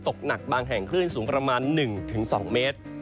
ตกหนักบางแห่งคลื่นสูงประมาณ๑๒เมตร